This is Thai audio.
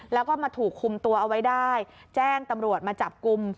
แล้วก็มาถูกคุมตัวเอาไว้ได้แจ้งตำรวจมาจับกลุ่ม